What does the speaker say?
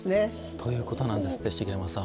ということなんですって茂山さん。